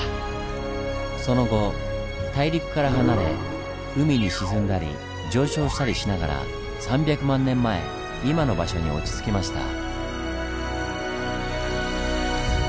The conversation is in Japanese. その後大陸から離れ海に沈んだり上昇したりしながら３００万年前今の場所に落ち着きました。